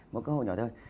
một cơ hội nhỏ thôi